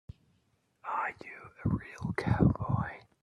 Are you a real cowboy?